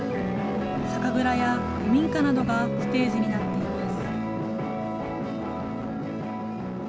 酒蔵や古民家などがステージになっています。